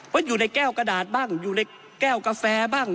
อยู่ในแก้วกระดาษบ้างอยู่ในแก้วกาแฟบ้าง